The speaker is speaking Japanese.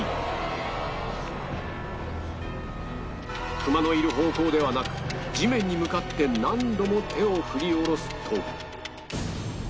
クマのいる方向ではなく地面に向かって何度も手を振り下ろすと